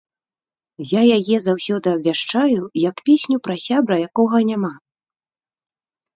Я яе заўсёды абвяшчаю як песню пра сябра, якога няма.